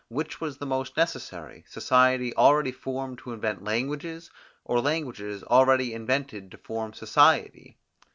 "Which was the most necessary, society already formed to invent languages, or languages already invented to form society?"